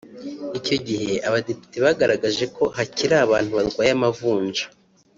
Icyo gihe Abadepite bagaragaje ko hakiri abantu barwaye amavunja